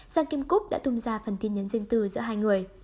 giang kim cúc đã tung ra phần tin nhấn dân tư giữa hai người